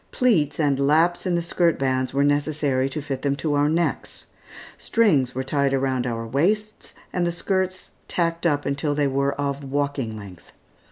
Pleats and laps in the skirt bands were necessary to fit them to our necks. Strings were tied around our waists, and the skirts tacked up until they were of walking length.